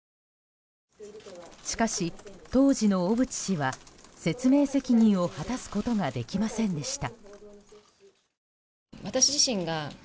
しかし、当時の小渕氏は説明責任を果たすことができませんでした。